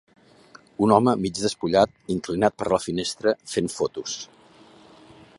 Un home mig despullat inclinat per la finestra fent fotos.